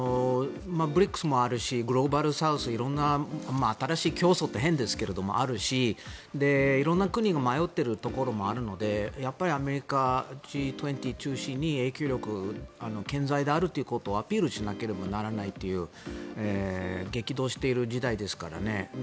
ＢＲＩＣＳもあるしグローバルサウス、色んな新しい競争といっても変ですが色んな国が迷っているところもあるのでやっぱりアメリカ、Ｇ２０中心に影響力が健在であるということをアピールしなければならないという激動している時代ですからね。